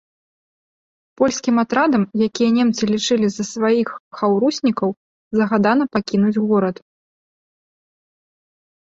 Польскім атрадам, якія немцы лічылі за сваіх хаўруснікаў, загадана пакінуць горад.